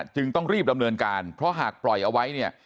จึงต้องรีบดำเนินการเพราะหากปล่อยเอาไว้เนี่ย